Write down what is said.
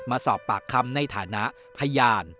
มาสอบปากคำในฐานะพยาน